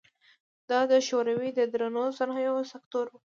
دا د شوروي د درنو صنایعو سکتور و.